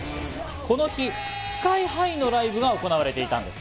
この日、ＳＫＹ−ＨＩのライブが行われていたんです。